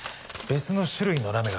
別の種類のラメ？